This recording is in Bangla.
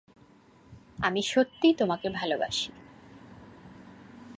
আমি সত্যি তোমাকে ভালোবাসি।